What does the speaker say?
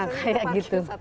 nah kayak gitu